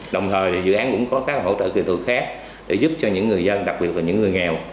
đồng thời dự án cũng có các hỗ trợ kỹ thuật khác để giúp cho những người dân đặc biệt là những người nghèo